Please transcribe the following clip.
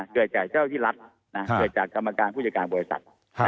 เกิดจากเจ้าที่รัฐเกิดจากกรรมการผู้จัดการบริษัท